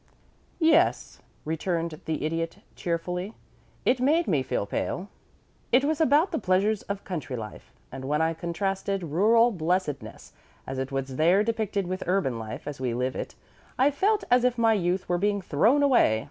"Yes," returned the Idiot, cheerfully, "it made me feel pale. It was about the pleasures of country life; and when I contrasted rural blessedness as it was there depicted with urban life as we live it, I felt as if my youth were being thrown away.